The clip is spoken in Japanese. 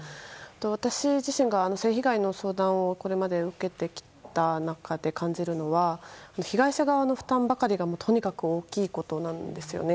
私自身が性被害の相談をこれまで受けてきた中で感じるのは被害者側の負担ばかりがとにかく大きいことなんですよね。